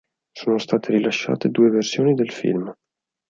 Sono state rilasciate due versioni del film.